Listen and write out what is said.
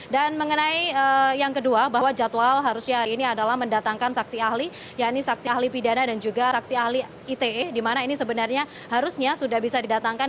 dan mengenai yang kedua bahwa jadwal harusnya hari ini adalah mendatangkan saksi ahli ya ini saksi ahli pidana dan juga saksi ahli ite dimana ini sebenarnya harusnya sudah bisa didatangkan